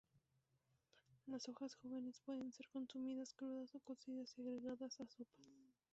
Las hojas jóvenes pueden ser consumidas crudas o cocidas y agregadas a sopas.